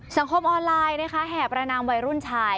สังคมออนไลน์นะคะแห่ประนามวัยรุ่นชาย